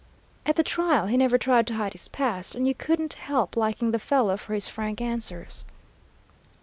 "At the trial he never tried to hide his past, and you couldn't help liking the fellow for his frank answers.